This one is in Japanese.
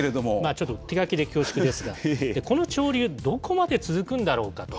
ちょっと手書きで恐縮ですが、この潮流、どこまで続くんだろうかと。